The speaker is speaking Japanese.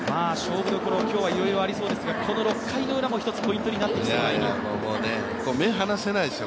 勝負どころ今日はいろいろありそうですが、この６回のウラもちょっとポイントになってきそうな目を離せないですよ。